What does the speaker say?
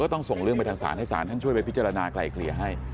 เค้าต้องส่งเรื่องไปชั้นศาลให้ศาลช่วยพิจารณาใครเคลียร์ให้